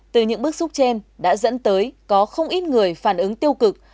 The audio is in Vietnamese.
từ những bức xúc trên đã dẫn tới có không ít người phản ứng tiêu cực